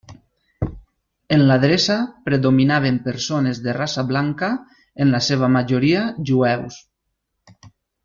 En l'adreça predominaven persones de raça blanca, en la seva majoria jueus.